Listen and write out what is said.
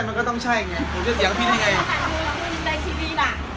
เพื่อนของการใดทิวีนี่